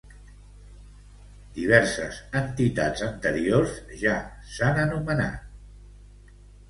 Diverses entitats anteriors ja s'han anomenat com "The Australian People's Party".